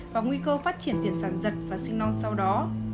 và nguy cơ phát triển tiền sản giật và sinh non sau đó